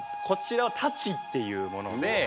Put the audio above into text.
こちらは太刀っていうもので。